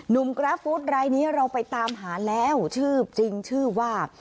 นุ่มกรายฟูธรายนี้เราไปตามหาแล้วชื่อจริงว่า